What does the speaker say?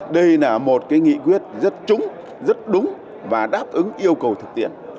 đây là một nghị quyết rất trúng rất đúng và đáp ứng yêu cầu thực tiễn